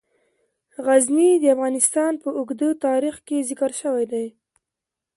غزني د افغانستان په اوږده تاریخ کې ذکر شوی دی.